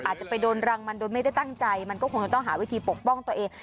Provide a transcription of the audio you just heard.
อาจจะไปโดนรังมันโดยไม่ได้ตั้งใจมันก็คงจะต้องหาวิธีปกป้องตัวเอง